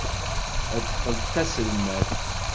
Ad teqqel d taselmadt.